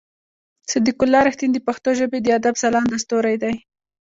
صديق الله رښتين د پښتو ژبې د ادب ځلانده ستوری دی.